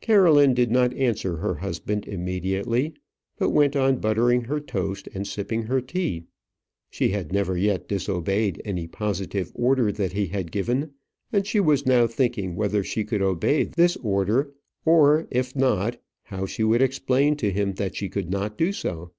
Caroline did not answer her husband immediately, but went on buttering her toast, and sipping her tea. She had never yet disobeyed any positive order that he had given, and she was now thinking whether she could obey this order; or, if not, how she would explain to him that she could not do so.